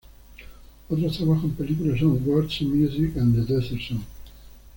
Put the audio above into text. Otros trabajos en películas son "Words and Music" y "The Desert Song".